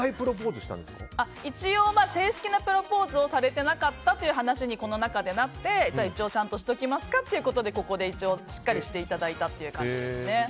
一応、正式なプロポーズをされてなかったという話にこの中でなって、一応ちゃんとしておきますかということでここで一応しっかりしていただいたという感じですね。